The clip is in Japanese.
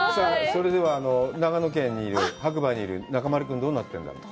それでは、長野県にいる、白馬にいる中丸君、どうなってるんだろう？